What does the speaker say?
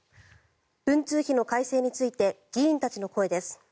文通費の改正について議員たちの声です。